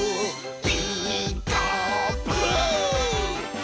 「ピーカーブ！」